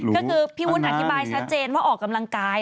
ก็คือพี่วุ้นอธิบายชัดเจนว่าออกกำลังกาย